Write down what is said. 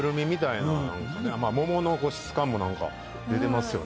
桃の質感も何か出てますよね。